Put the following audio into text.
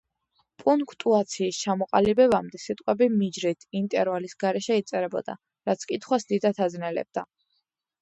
პუნქტუაციის ჩამოყალიბებამდე სიტყვები მიჯრით, ინტერვალის გარეშე იწერებოდა, რაც კითხვას დიდად აძნელებდა.